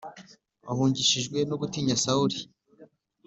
ahungishijwe no gutinya Sawuli.